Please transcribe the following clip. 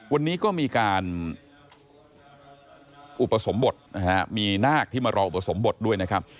วันนี้ก็มีการอุปสมบทนะฮะมีนาคที่มารออุปสมบทด้วยนะครับ